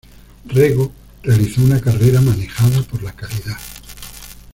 Rego realizó una carrera manejada por la calidad.